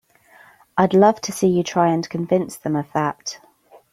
I'd love to see you try and convince them of that!